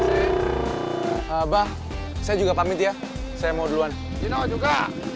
saya juga pamit ya saya mau duluan juga